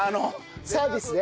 サービスで？